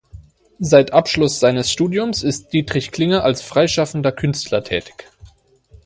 Seit Abschluss seines Studiums ist Dietrich Klinge als freischaffender Künstler tätig.